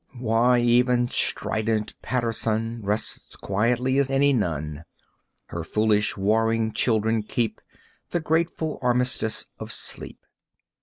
Why, even strident Paterson Rests quietly as any nun. Her foolish warring children keep The grateful armistice of sleep.